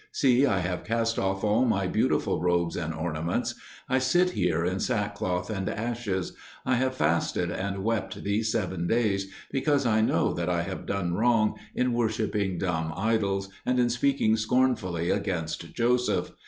See, I have cast off all my beautiful robes and ornaments; I sit here in sackcloth and ashes; I have fasted and wept these seven days, because I know that I have done wrong in worshipping dumb idols, and in speaking scornfully against Joseph.